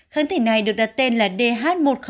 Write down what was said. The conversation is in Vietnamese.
kháng thể này được đặt tên là dh một nghìn bốn mươi bảy